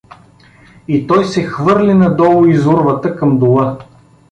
— И той се хвърли надолу из урвата към дола.